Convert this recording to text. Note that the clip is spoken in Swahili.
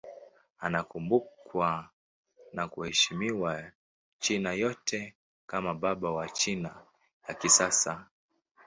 Anakumbukwa na kuheshimiwa China yote kama baba wa China ya kisasa.